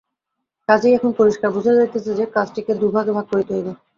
কাজেই এখন পরিষ্কার বোঝা যাইতেছে যে, কাজটিকে দু-ভাগে ভাগ করিতে হইবে।